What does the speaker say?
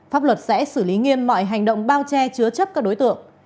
pháp luật sẽ xử lý nghiêm mọi hành động bao che chứa chấp các đối tượng